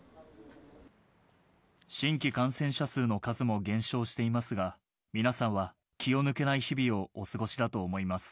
新規感染者数の数も減少していますが、皆さんは気を抜けない日々をお過ごしだと思います。